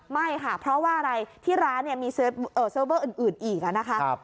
ไม่ค่ะเพราะว่าอะไรที่ร้านเนี้ยมีอื่นอื่นอีกอ่ะนะคะครับ